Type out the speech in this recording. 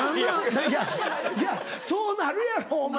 いやそうなるやろホンマ